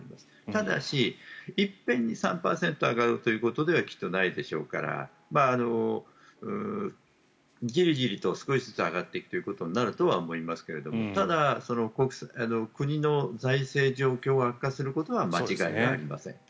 ただし、一遍に３％上がるということではきっとないでしょうからジリジリと少しずつ上がっていくことになると思いますがただ、国の財政状況が悪化することは間違いありません。